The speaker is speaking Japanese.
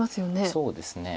そうですね。